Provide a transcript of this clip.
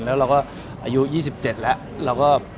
แล้วเราก็อายุ๒๗แล้ว